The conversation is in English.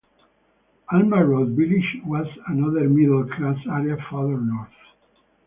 Alma Road Village was another middle class area further north.